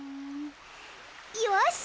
よし！